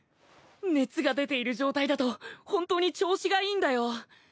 熱が出ている状態だと本当に調子がいいんだよ。